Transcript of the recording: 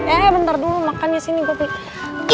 eh bentar dulu makan ya sini gue pilih